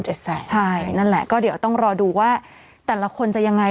ใช่นั่นแหละก็เดี๋ยวต้องรอดูว่าแต่ละคนจะยังไง